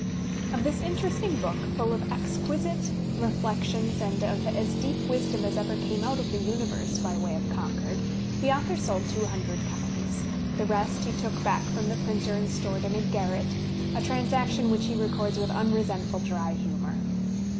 ''' Of this interesting book, full of exquisite reflections and of as deep wisdom as ever came out of the universe by way of Concord, the author sold two hundred copies; the rest he took back from the printer and stored in a garret, a transact tion which he records with unresentful dry hiunour.